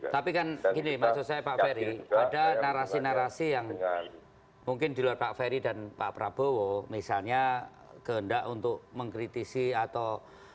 tapi kan gini maksud saya pak ferry ada narasi narasi yang mungkin di luar pak ferry dan pak prabowo misalnya kehendak untuk mengkritisi atau